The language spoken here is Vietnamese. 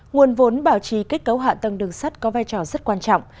nguồn vốn bảo trì kết cấu hạ tầng đường sắt có vai trò rất quan trọng